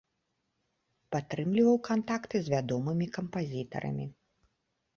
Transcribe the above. Падтрымліваў кантакты з вядомымі кампазітарамі.